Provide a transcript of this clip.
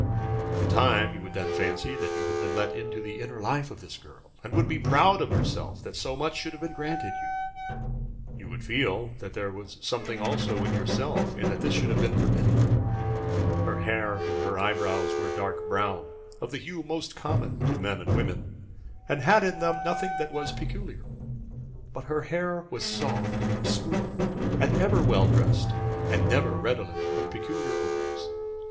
For the time you would then fancy that you had been let into the inner life of this girl, and would be proud of yourself that so much should have been granted you. You would feel that there was something also in yourself in that this should have been permitted. Her hair and eyebrows were dark brown, of the hue most common to men and women, and had in them nothing that was peculiar; but her hair was soft and smooth and ever well dressed, and never redolent of peculiar odors.